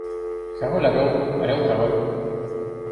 Король орёл – орёл король.